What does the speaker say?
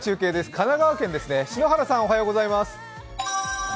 神奈川県ですね、篠原さんおはようございます。